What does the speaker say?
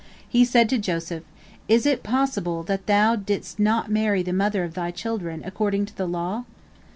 He said to Joseph, "Is it possible that thou didst not marry the mother of thy children according to the law?"